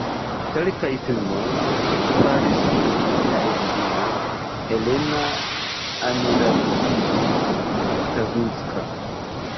Kelkaj filmoj li faris kun sia edzino Helena Amiraĝibi-Stavinska.